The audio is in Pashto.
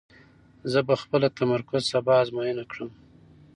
زه به خپل تمرکز سبا ازموینه کړم.